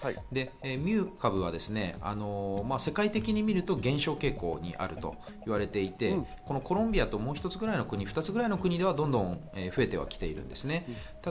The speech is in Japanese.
ミュー株は世界的に見ると減少傾向にあると言われていて、コロンビアともう一つぐらいの国ではどんどん増えてきています。